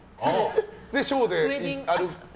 ショーで歩いて？